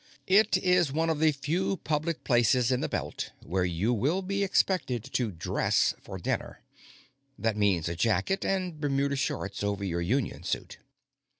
It is one of the few public places in the Belt where you will be expected to "dress" for dinner. That means a jacket and Bermuda shorts over your union suit.